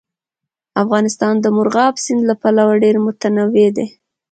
افغانستان د مورغاب سیند له پلوه ډېر متنوع دی.